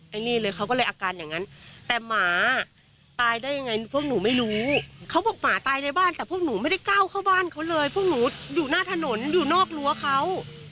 อันนี้เลยเขาก็เลยอาการอย่างนั้นแต่หมาตายได้ยังไงพวกหนูไม่รู้เขาบอกหมาตายในบ้านแต่พวกหนูไม่ได้ก้าวเข้าบ้านเขาเลยพวกหนูอยู่หน้าถนนอยู่นอกรั้วเขา